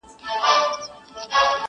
خو ډوډۍ یې له هر چا څخه تنها وه،